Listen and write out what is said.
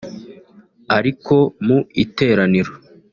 Ariko mu iteraniro